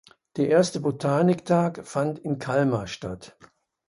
Der erste Botaniktag fand in Kalmar statt.